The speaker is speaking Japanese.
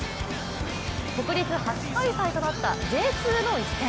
国立初開催となったＪ２の一戦。